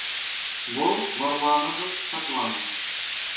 Вӑл вӑрланӑшӑн ҫакланнӑ.